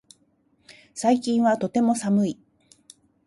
最近はとても寒い